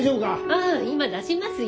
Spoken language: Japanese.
ああ今出しますよ。